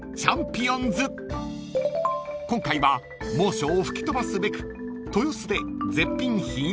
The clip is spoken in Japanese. ［今回は猛暑を吹き飛ばすべく豊洲で］